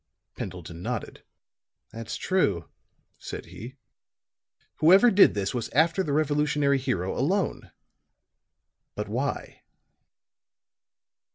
Pendleton nodded. "That's true," said he. "Whoever did this was after the Revolutionary hero alone. But why?"